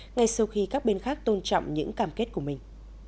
ngay sau khi các bên khác tôn trọng những cam kết của mình